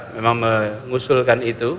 memang mengusulkan itu